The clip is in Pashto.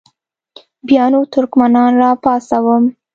بیا نو ترکمنان را پاڅوم.